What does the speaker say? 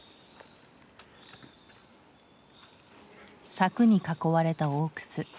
柵に囲われた大楠。